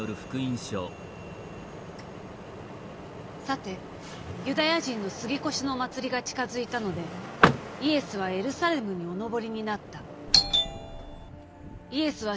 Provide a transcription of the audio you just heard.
「さてユダヤ人の過越の祭りが近づいたのでイエスはエルサレムにお上りになった」。